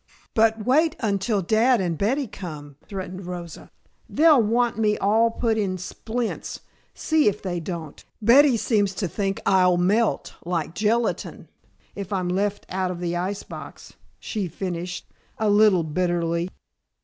"But wait until Dad and Betty come," threatened Rosa. "They'll want me all put in splints, see if they don't. Betty seems to think I'll melt, like gelatine, if I'm left out of the ice box," she finished, a little bitterly.